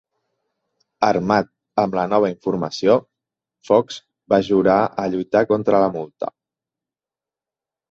Armat amb la nova informació, Fox va jurar a lluitar contra la multa.